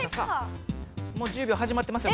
もう１０秒はじまってますよ